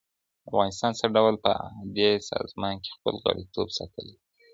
افغانستان څه ډول په دې سازمان کي خپل غړیتوب ساتلی دی؟